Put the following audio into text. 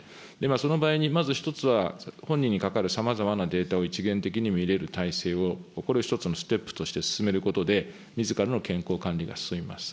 その場合に、まず一つは本人にかかるさまざまなデータを一元的に見れる体制を、これを一つのステップとして進めることで、みずからの健康管理が進みます。